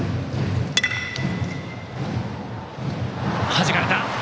はじかれた！